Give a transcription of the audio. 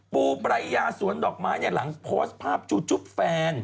ปูปรายยาสวนดอกไม้หลังโพสต์ภาพชูชุบแฟน